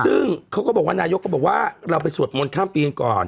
ซึ่งเขาก็บอกว่านายกก็บอกว่าเราไปสวดมนต์ข้ามปีกันก่อน